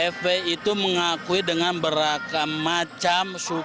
fpi itu mengakui dengan berapa macam sukacita